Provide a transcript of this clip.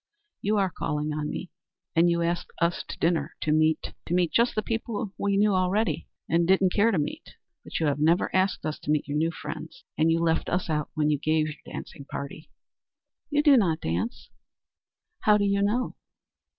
"You are calling on me, and you asked us to dinner to meet to meet just the people we knew already, and didn't care to meet; but you have never asked us to meet your new friends, and you left us out when you gave your dancing party." "You do not dance." "How do you know?"